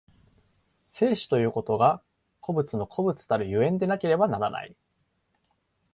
生死ということが個物の個物たる所以でなければならない。